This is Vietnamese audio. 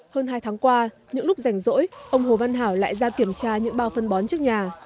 hơn hai tháng qua những lúc rảnh rỗi ông hồ văn hải lại ra kiểm tra những bao phân bón trước nhà